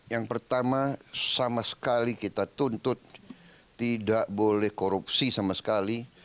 yang pertama sama sekali kita tuntut tidak boleh korupsi sama sekali